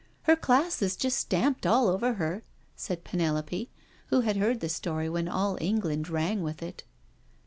Her class is just stamped all over her/' said Penelope, who had heard the story when all England rang with it.